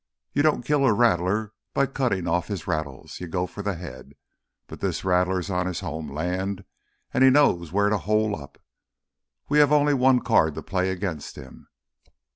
You don't kill a rattler by cutting off his rattles—you go for the head. But this rattler's on his home land and he knows where to hole up. We have only one card to play against him."